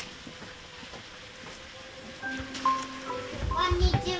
こんにちは！